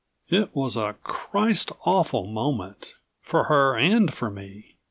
7 It was a christ awful moment for her and for me.